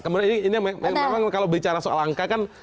kemudian ini memang kalau bicara soal angka kan